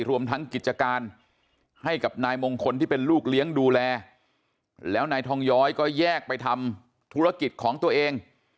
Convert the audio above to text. รวมทั้งกิจการให้กับนายมงคลที่เป็นลูกเลี้ยงดูแลแล้วนายทองย้อยก็แยกไปทำธุรกิจของตัวเอง